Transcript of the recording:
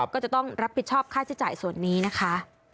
ก็จะต้องรับผิดชอบค่าใช้จ่ายส่วนนี้นะคะ